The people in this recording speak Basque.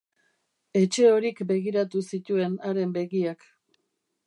Etxehorik begiratu zituen haren begiak.